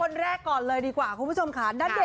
คนแรกก่อนดีกว่าคุณผู้ชมนาเดท